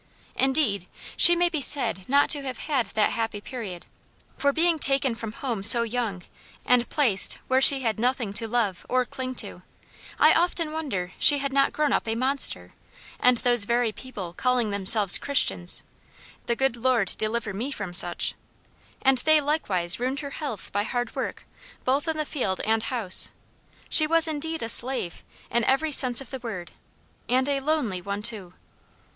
Indeed, she may be said not to have had that happy period; for, being taken from home so young, and placed where she had nothing to love or cling to, I often wonder she had not grown up a MONSTER; and those very people calling themselves Christians, (the good Lord deliver me from such,) and they likewise ruined her health by hard work, both in the field and house. She was indeed a slave, in every sense of the word; and a lonely one, too.